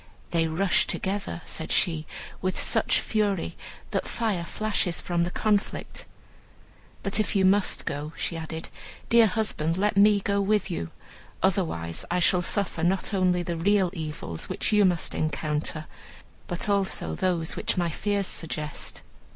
"They rush together," said she, "with such fury that fire flashes from the conflict. But if you must go," she added, "dear husband, let me go with you, otherwise I shall suffer not only the real evils which you must encounter, but those also which my fears suggest."